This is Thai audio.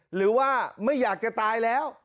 หรือว่าไม่อยากจะตายแล้ว